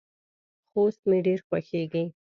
خوست مې ډیر خوښیږي.